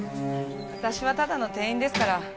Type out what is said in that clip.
私はただの店員ですから。